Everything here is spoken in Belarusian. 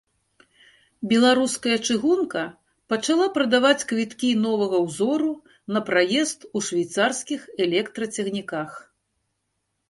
Беларуская чыгунка пачала прадаваць квіткі новага ўзору на праезд у швейцарскіх электрацягніках.